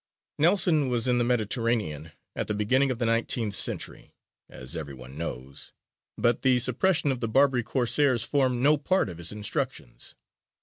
Nelson was in the Mediterranean at the beginning of the nineteenth century, as every one knows, but the suppression of the Barbary Corsairs formed no part of his instructions.